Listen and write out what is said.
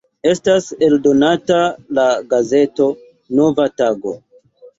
Estas eldonata la gazeto "Nova tago".